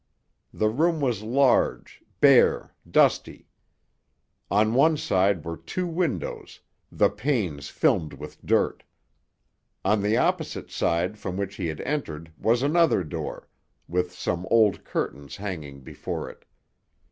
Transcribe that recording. The room was large, bare, dusty. On one side were two windows, the panes filmed with dirt. On the opposite side from which he had entered was another door, with some old curtains hanging before it.